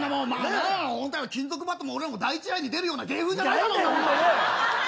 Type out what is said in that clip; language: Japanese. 金属バットも俺らも第１試合に出るような芸風じゃない。